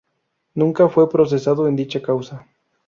Nunca fue procesado en dicha causa.